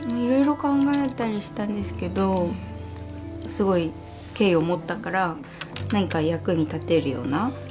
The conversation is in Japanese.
いろいろ考えたりしたんですけどすごい敬意を持ったから何か役に立てるような。